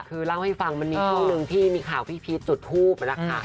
คือเล่าให้ฟังมันมีช่วงหนึ่งที่มีข่าวพี่พีชจุดทูปนะคะ